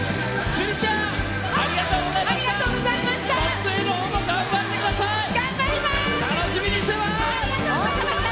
趣里ちゃんありがとうございました。